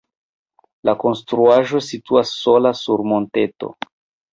La konstruaĵo situas sola sur monteto.